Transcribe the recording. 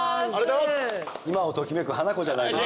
今を時めくハナコじゃないですか。